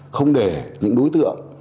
không để những đối tượng